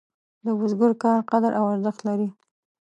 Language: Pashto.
د بزګر کار قدر او ارزښت لري.